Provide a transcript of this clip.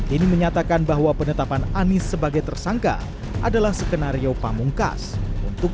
ini menyatakan bahwa penetapan anies sebagai tersangka adalah skenario pamungkas untuk